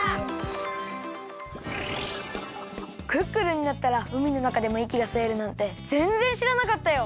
クックルンになったらうみのなかでもいきがすえるなんてぜんぜんしらなかったよ！